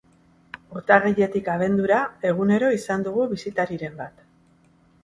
Urtarriletik abendura egunero izan dugu bisitariren bat.